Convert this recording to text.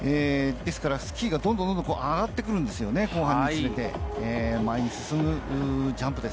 ですからスキーがどんどん上がってくるんですよね、後半につれて前に進むジャンプです。